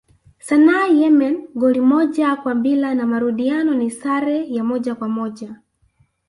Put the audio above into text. Sanaa Yemen goli moja kwa bila na marudiano ni sare ya moja kwa moja